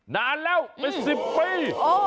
นานแล้วเป็น๑๐ปี